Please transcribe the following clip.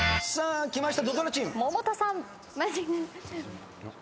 さあきました。